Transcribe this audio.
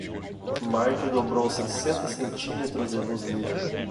Marc dobrou sessenta centímetros de luz livre.